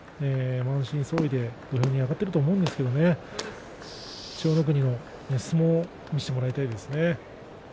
満身創いで土俵に上がっていると思うんですけども千代の国の相撲を見せてもらいたいですね。